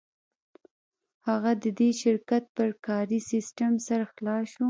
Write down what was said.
هغه د دې شرکت پر کاري سیسټم سر خلاص شو